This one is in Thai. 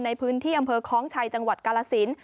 ในพื้นที่อำเภอคล้องชัยจังหวัดกาลสิน